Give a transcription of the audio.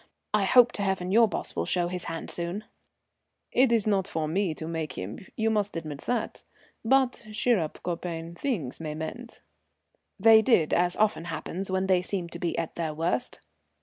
I hope to heaven your boss will show his hand soon." "It's not for me to make him, you must admit that. But cheer up, copain, things may mend." They did, as often happens when they seem to be at their worst.